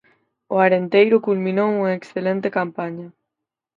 O Arenteiro culminou unha excelente campaña.